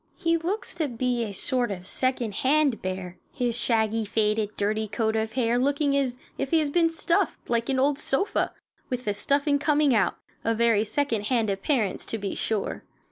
He looks to be a sort of second hand bear, his shaggy, faded, dirty coat of hair looking as if he had been stuffed, like an old sofa, with the stuffing coming out a very second hand appearance, to be sure.